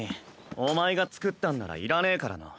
お前が作ったんならいらねぇからな。